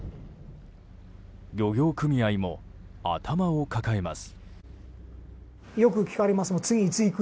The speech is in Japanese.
漁業組合も頭を抱えます。